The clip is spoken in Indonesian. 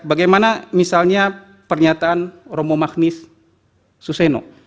bagaimana misalnya pernyataan romo magnis suseno